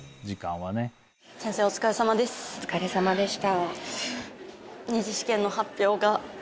お疲れさまでした。